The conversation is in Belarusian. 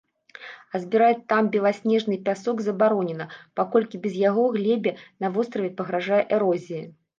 А збіраць там беласнежны пясок забаронена, паколькі без яго глебе на востраве пагражае эрозія.